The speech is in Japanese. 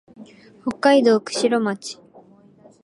北海道釧路町